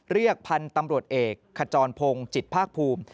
เรียกพันธุ์ตำรวจเอกขจรพงศ์จิตภาคภูมิ